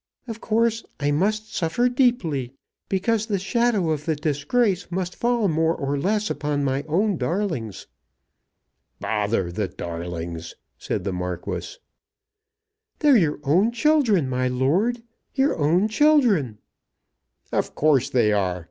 Of course I must suffer deeply, because the shadow of the disgrace must fall more or less upon my own darlings." "Bother the darlings," said the Marquis. "They're your own children, my lord; your own children." "Of course they are.